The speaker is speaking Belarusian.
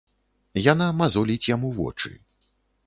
Яна мазоліць яму вочы.